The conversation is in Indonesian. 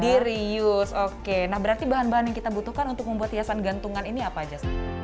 diriuse oke nah berarti bahan bahan yang kita butuhkan untuk membuat hiasan gantungan ini apa aja sih